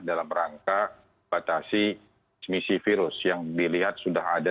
bagaimana batasi smisi virus yang dilihat sudah ada